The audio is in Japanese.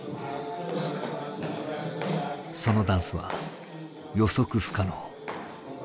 そのダンスは予測不可能。